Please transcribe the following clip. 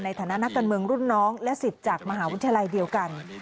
ในฐานะนักการเมืองรุ่นน้องและสิทธิ์จากมหาวิทยาลัยเดียวกัน